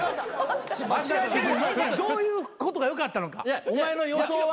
どういうことかよかったのかお前の予想は。